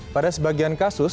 pada sebagian kasus